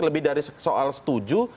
lebih dari soal setuju